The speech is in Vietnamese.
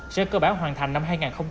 sẽ cơ bản hoàn thành năm hai nghìn hai mươi